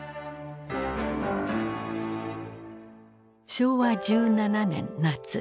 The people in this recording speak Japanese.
昭和１７年夏。